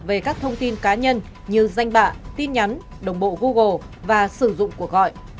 về các thông tin cá nhân như danh bạ tin nhắn đồng bộ google và sử dụng cuộc gọi